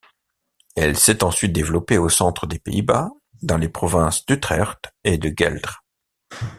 Elle s'est ensuite développée au centre des Pays-Bas, dans les province d'Utrecht et Gueldre.